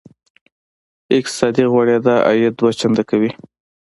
اقتصادي غوړېدا عاید دوه چنده کوي.